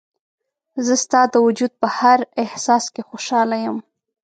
زه ستا د وجود په هر احساس کې خوشحاله یم.